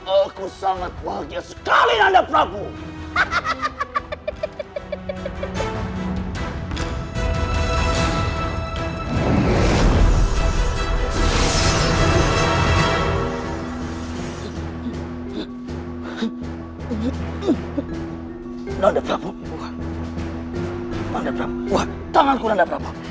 aku sangat bahagia sekali dengan anda prabu